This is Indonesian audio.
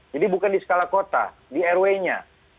jadi bukan di skala kota di rw nya